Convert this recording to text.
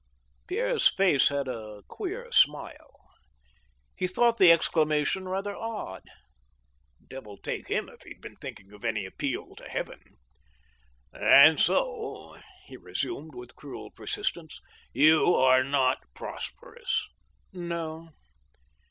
Pierre's face had a queer smile. He thought the exclamation rather odd. Devil take him if he had been thinking of any appeal to Heaven. "And so." he resumed, with cruel persistence, "you are not prosperous ?" "No."